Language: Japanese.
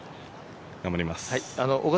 頑張ります。